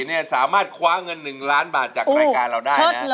คุณสาม๒๐๒๔สามารถคว้าเงินหนึ่งล้านบาธรรมดิจากรายการเราได้นะ